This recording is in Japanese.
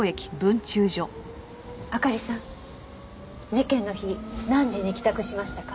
あかりさん事件の日何時に帰宅しましたか？